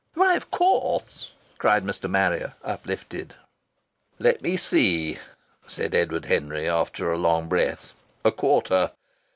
"Why of course!" cried Mr. Harrier, uplifted. "Let me see," said Edward Henry, after a long breath, "a quarter.